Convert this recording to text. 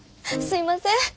すいません。